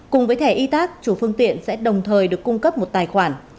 cùng với thẻ y tát chủ phương tiện sẽ đồng thời được cung cấp một tài khoản